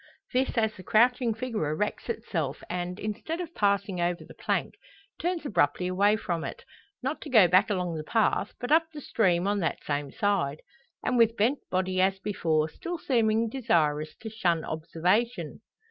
This as the crouching figure erects itself and, instead of passing over the plank, turns abruptly away from it. Not to go back along the path, but up the stream on that same side! And with bent body as before, still seeming desirous to shun observation.